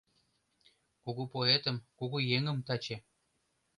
Кугу поэтым, кугу еҥым таче